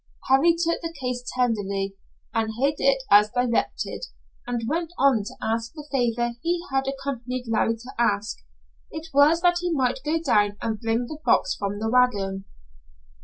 Harry took the case tenderly, and hid it as directed, and went on to ask the favor he had accompanied Larry to ask. It was that he might go down and bring the box from the wagon.